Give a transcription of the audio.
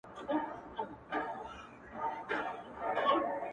خپل تعلیم یې کئ پوره په ښه مېړانه-